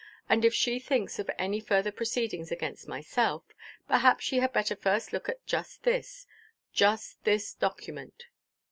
And if she thinks of any further proceedings against myself, perhaps she had better first look at just this—just this document."